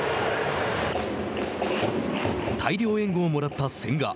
大量援護をもらった千賀。